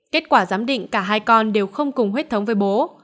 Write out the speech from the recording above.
kết quả giám định cả hai con đều không cùng huyết thống với bố